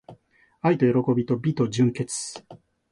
愛と喜びと美と純潔